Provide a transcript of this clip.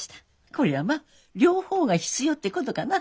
こりゃまっ両方が必要ってことかな。